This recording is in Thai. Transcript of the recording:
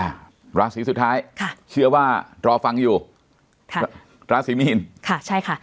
อ่าราศีสุดท้ายค่ะเชื่อว่ารอฟังอยู่ค่ะราศีมีนค่ะใช่ค่ะ